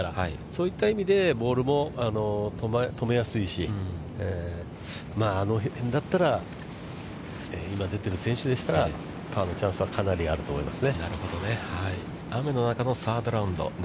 そういった意味ではボールも止めやすいし、あの辺だったら、今、出てる選手でしたら、パーのチャンスはかなりあると思います